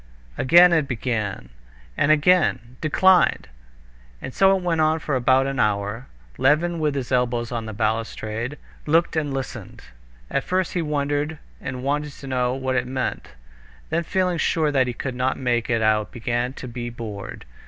Again it began, and again "Declined." And so it went on for about an hour. Levin, with his elbows on the balustrade, looked and listened. At first he wondered and wanted to know what it meant; then feeling sure that he could not make it out he began to be bored.